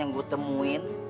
yang nganyut itu budegu jual